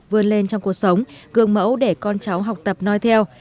vươn lên trong cuộc sống gương mẫu để con cháu học tập nói theo